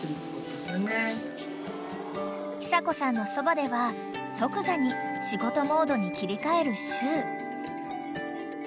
［久子さんのそばでは即座に仕事モードに切り替えるしゅう］